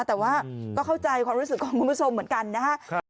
แต่ว่าก็เข้าใจความรู้สึกของคุณผู้ชมเหมือนกันนะครับ